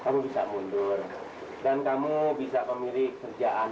maka dalam jangka sebulan